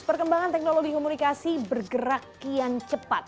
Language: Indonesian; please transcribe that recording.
perkembangan teknologi komunikasi bergerak kian cepat